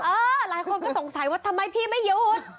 หลายคนก็สงสัยว่าทำไมพี่ไม่หยุด